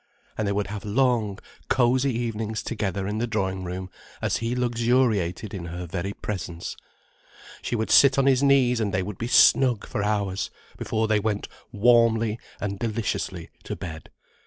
And they would have long, cosy evenings together in the drawing room, as he luxuriated in her very presence. She would sit on his knees and they would be snug for hours, before they went warmly and deliciously to bed.